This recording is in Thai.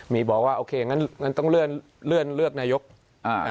มีบอกว่าโอเคงั้นต้องเลื่อนเลือกนายจก